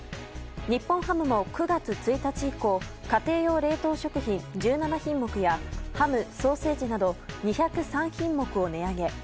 日本ハムも９月１日以降家庭用冷凍食品１７品目やハム、ソーセージなど２０３品目を値上げ。